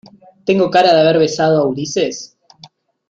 ¿ tengo cara de haber besado a Ulises?